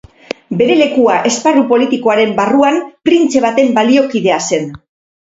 Bere lekua esparru politikoaren barruan printze baten baliokidea zen.